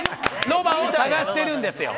ロバを探しているんです！